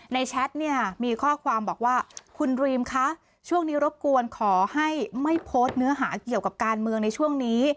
แชทเนี่ยมีข้อความบอกว่าคุณรีมคะช่วงนี้รบกวนขอให้ไม่โพสต์เนื้อหาเกี่ยวกับการเมืองในช่วงนี้